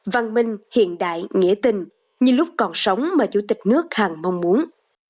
văn minh hiện đại nghĩa tình như lúc còn sống mà chủ tịch nước hàng mong muốn